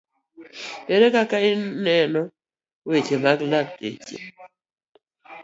Ere kaka inono weche mag lakteche